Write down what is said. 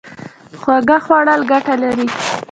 خواږه خوړل ګټه لري